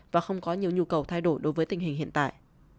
và không có nhiều nhu cầu thay đổi đối với tình hình hiện tại